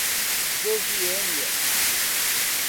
Joviânia